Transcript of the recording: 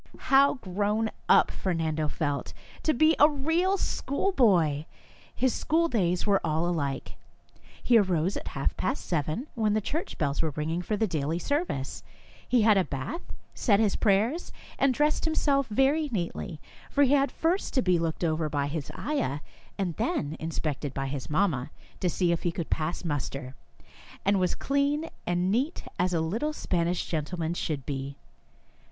How grown up Fernando felt ! To be a real schoolboy ! His school days were all alike. He arose at half past seven, when the xo School days 1 1 church bells were ringing for the daily service ; he had a bath, said his prayers, and dressed himself very neatly, for he had first to be looked over by his aya^ and then inspected by his mamma, to see if he could pass muster, and was clean and neat as a little Spanish gentleman should be.